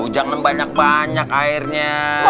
jangan banyak banyak airnya